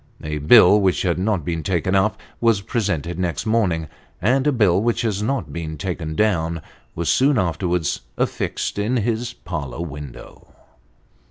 A bill, which has not been taken up, was presented next morning ; and a bill, which has not been taken down, was soon afterwards affixed in his parlour window.